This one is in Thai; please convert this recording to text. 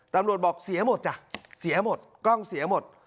ตำรวจบอกเสียหมดจ้ะเสียหมดกล้องเสียหมด